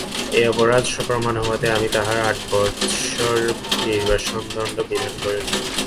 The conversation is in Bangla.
এই অপরাধ সপ্রমাণ হওয়াতে আমি তাঁহার আট বৎসর নির্বাসনদণ্ড বিধান করিলাম।